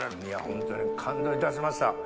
ホントに感動いたしました。